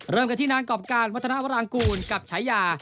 เริ่มกันที่นางกรอบการวัฒนาวรางกูลกับฉายา